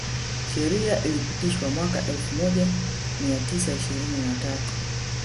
Sheria ilipitishwa mwaka elfu moja mia tisa ishirini na tatu